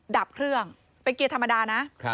ดับเครื่องเป็นเกียร์ธรรมดานะ